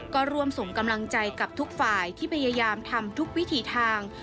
ก็ร่วมส่งกำลังใจกับทุกฝ่ายที่พยายามทำทุกวิถีทาง